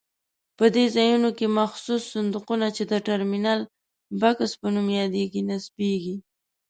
په دې ځایونو کې مخصوص صندوقونه چې د ټرمینل بکس په نوم یادېږي نصبېږي.